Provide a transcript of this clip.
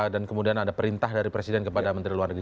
dan kemudian ada perintah dari presiden kepada menteri luar negeri